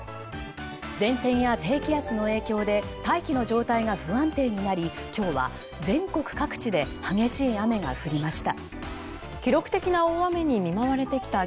前線や低気圧の影響で大気の状態が不安定になり今日は、全国各地で激しい雨が降りました。